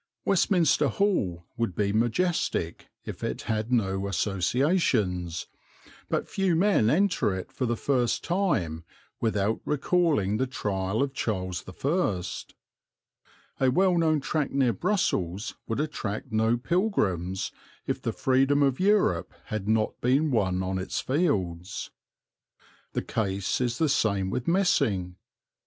Westminster Hall would be majestic if it had no associations, but few men enter it for the first time without recalling the trial of Charles the First. A well known tract near Brussels would attract no pilgrims if the freedom of Europe had not been won on its fields. The case is the same with Messing.